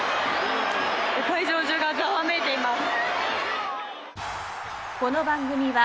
会場中がざわめいています。